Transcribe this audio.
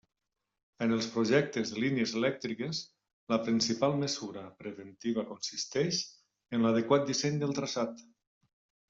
En els projectes de línies elèctriques, la principal mesura preventiva consisteix en l'adequat disseny del traçat.